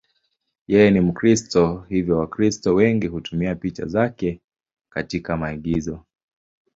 Yeye ni Mkristo, hivyo Wakristo wengi hutumia picha zake katika maigizo.